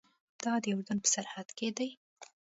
دا د اردن په سرحد کې دی.